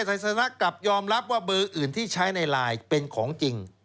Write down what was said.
ไซสนะกลับยอมรับว่าเบอร์อื่นที่ใช้ในไลน์เป็นของจริง